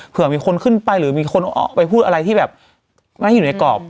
เผื่อมีคนขึ้นไปหรือมีคนออกไปพูดอะไรที่แบบไม่อยู่ในกรอบ